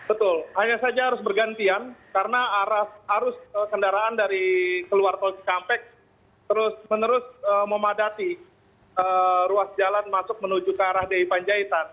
betul hanya saja harus bergantian karena arus kendaraan dari keluar tol cikampek terus menerus memadati ruas jalan masuk menuju ke arah di panjaitan